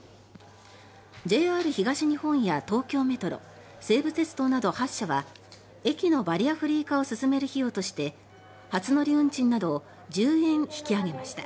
ＪＲ東日本や東京メトロ西武鉄道など８社は駅のバリアフリー化を進める費用として初乗り運賃などを１０円引き上げました。